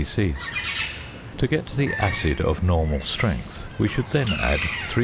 c. To get the "acid" of normal strength, we should then add 3.8 c.